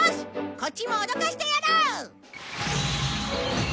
こっちも脅かしてやろう！